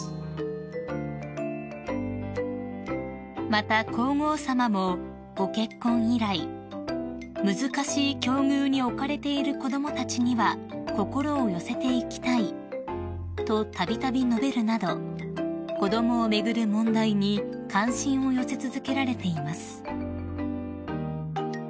［また皇后さまもご結婚以来「難しい境遇に置かれている子供たちには心を寄せていきたい」とたびたび述べるなど子供を巡る問題に関心を寄せ続けられています］